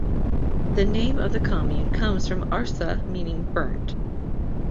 The name of the commune comes from "Arsa" meaning "burnt".